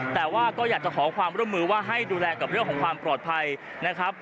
แต่ว่าก็อยากจะขอความร่วมมือว่าให้ดูแลกับเรื่องของความปลอดภัยนะครับ